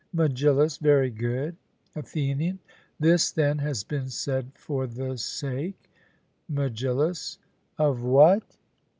MEGILLUS: Very good. ATHENIAN: This, then, has been said for the sake MEGILLUS: Of what?